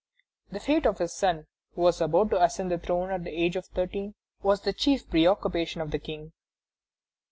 The fate of his son, who was about to ascend the throne at the age of thirteen, was the chief preoccupation of the King.